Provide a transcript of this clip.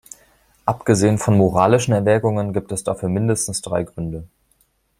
Abgesehen von moralischen Erwägungen gibt es dafür mindestens drei Gründe.